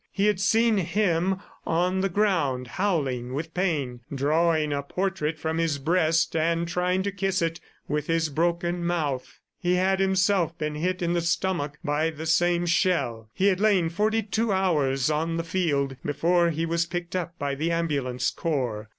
He had seen him on the ground, howling with pain, drawing a portrait from his breast and trying to kiss it with his broken mouth. He had himself been hit in the stomach by the same shell. He had lain forty two hours on the field before he was picked up by the ambulance corps.